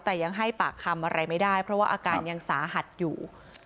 แต่ยังให้ปากคำอะไรไม่ได้เพราะว่าอาการยังสาหัสอยู่